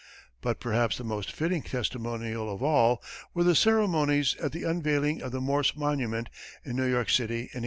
But perhaps the most fitting testimonial of all were the ceremonies at the unveiling of the Morse monument in New York City in 1871.